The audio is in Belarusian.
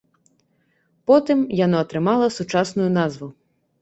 Потым яно атрымала сучасную назву.